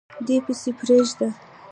دی پسي پریږده